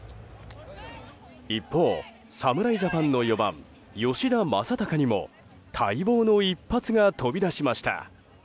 一方、侍ジャパンの４番吉田正尚にも待望の一発が飛び出しました。